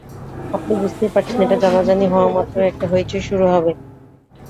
আপনি বুঝতেই পারছেন, এটা জানাজানি হওয়ামাত্রই একটা হৈচৈ শুরু হবে।